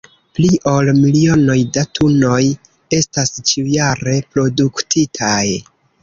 Pli ol milionoj da tunoj estas ĉiujare produktitaj.